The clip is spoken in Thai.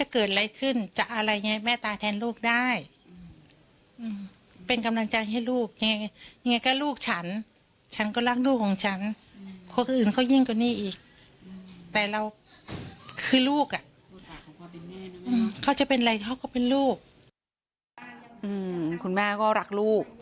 คุณแม่ก็รักลูก